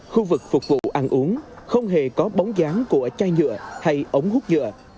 khu vực phục vụ ăn uống không hề có bóng dáng của chai nhựa hay ống hút dừa